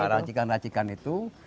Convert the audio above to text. iya racikan racikan itu